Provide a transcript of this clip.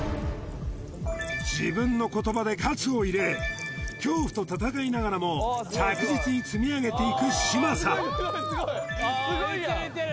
自分の言葉で活を入れ恐怖と戦いながらも着実に積み上げていく嶋佐